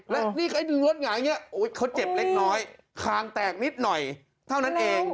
แล้วนี่ไอ้ดึงรถหงาอย่างนี้เขาเจ็บเล็กน้อยคางแตกนิดหน่อยเท่านั้นเอง